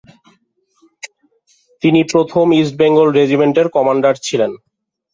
তিনি প্রথম East Bengal রেজিমেন্টের কমান্ডার ছিলেন।